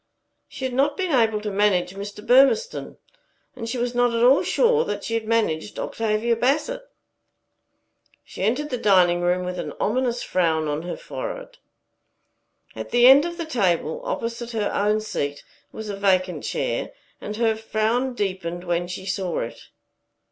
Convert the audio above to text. She had not been able to manage Mr. Burmistone, and she was not at all sure that she had managed Octavia Bassett. She entered the dining room with an ominous frown on her forehead. At the end of the table, opposite her own seat, was a vacant chair, and her frown deepened when she saw it.